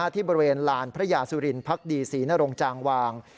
ที่บริเวณลานพระยาสุรินทร์พรรคดีศรีณรงจังหวาง